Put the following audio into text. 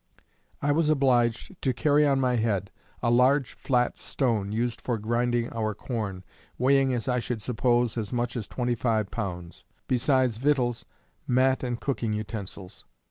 I was obliged to carry on my head a large flat stone used for grinding our corn, weighing as I should suppose, as much as 25 pounds; besides victuals, mat and cooking utensils.